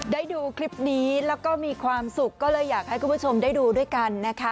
ได้ดูคลิปนี้แล้วก็มีความสุขก็เลยอยากให้คุณผู้ชมได้ดูด้วยกันนะคะ